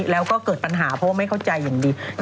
แล้วก็เกิดปัญหาเพราะว่าไม่เข้าใจอย่างดี